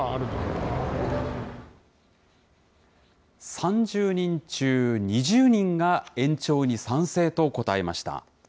３０人中２０人が延長に賛成と答えました。